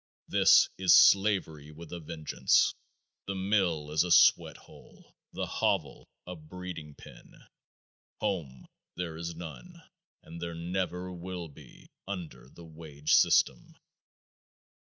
This is slavery with a vengeance. The mill is a sweat hole; the hovel a breeding pen. Home there is none. And there never will be under the wage system.